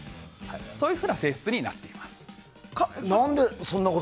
そういうふうな性質になっています。